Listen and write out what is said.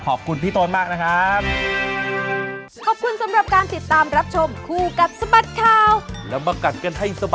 ขอบคุณพี่ต้นมากนะครับ